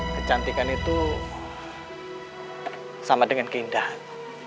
kecantikan itu sama dengan keindahan